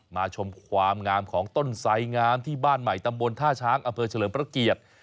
ชมความงามของต้นไซงามที่บ้านใหม่ตำบลท่าช้างอำเภอเฉลิมพระเกียรติ